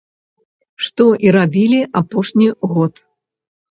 Што і рабілі апошні год.